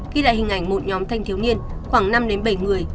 ghi lại hình ảnh một nhóm thanh thiếu niên khoảng năm bảy người